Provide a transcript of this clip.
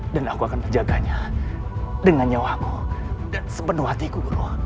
dan aku akan menjaganya dengan nyawamu dan sepenuh hatiku guru